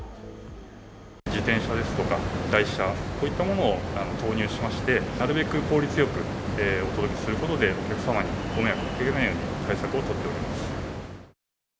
自転車ですとか台車といったものを投入しまして、なるべく効率よくお届けすることで、お客様にご迷惑をおかけしないように、対策を取っております。